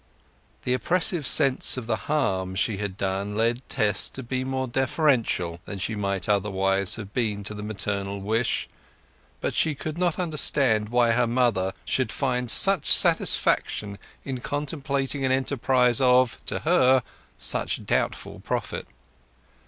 The oppressive sense of the harm she had done led Tess to be more deferential than she might otherwise have been to the maternal wish; but she could not understand why her mother should find such satisfaction in contemplating an enterprise of, to her, such doubtful profit.